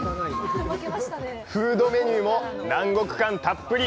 フードメニューも南国感たっぷり！